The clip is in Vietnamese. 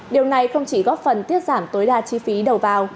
điều này không chỉ góp phần tiết giảm tối đa chi phí đầu vào